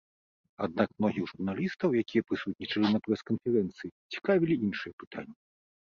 Аднак многіх журналістаў, якія прысутнічалі на прэс-канферэнцыі, цікавілі іншыя пытанні.